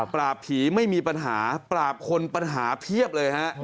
ผีไม่มีปัญหาปราบคนปัญหาเพียบเลยฮะ